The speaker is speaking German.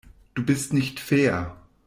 Du bist nicht fair.